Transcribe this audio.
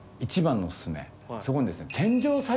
そこにですね。